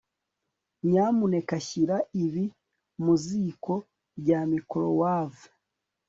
nyamuneka shyira ibi mu ziko rya microwave